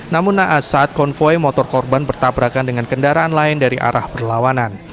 namun naas saat konvoy motor korban bertabrakan dengan kendaraan lain dari arah perlawanan